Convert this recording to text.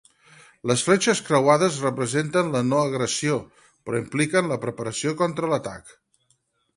Les fletxes creuades representen la no agressió, però impliquen la preparació contra l'atac.